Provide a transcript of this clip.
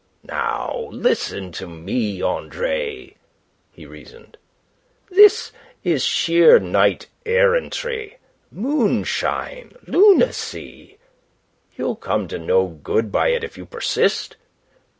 "Now listen to me, Andre," he reasoned. "This is sheer knight errantry moonshine, lunacy. You'll come to no good by it if you persist.